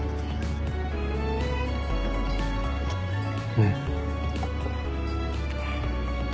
うん。